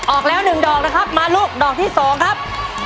ออกแล้ว๑ดอกนะครับมาลูกดอกที่๒ครับ